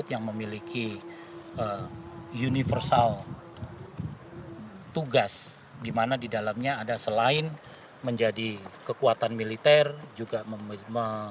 yang memiliki universal tugas dimana di dalamnya ada selain menjadi kekuatan militer juga memiliki